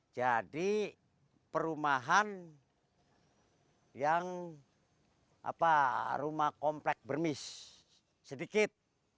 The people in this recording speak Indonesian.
jadi perumahan yang rumah komplek bermis sedikit